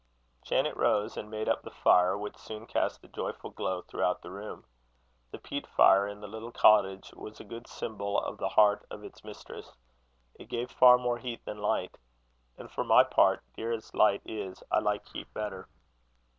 Janet rose, and made up the fire, which soon cast a joyful glow throughout the room. The peat fire in the little cottage was a good symbol of the heart of its mistress: it gave far more heat than light. And for my part, dear as light is, I like heat better.